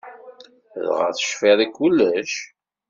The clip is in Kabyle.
Dɣa tecfiḍ i kullec?